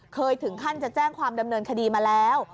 ถึงขั้นจะแจ้งความดำเนินคดีมาแล้ว